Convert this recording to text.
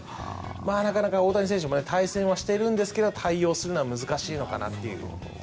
なかなか大谷選手も対戦はしてるんですが対応するのは難しいのかなというところです。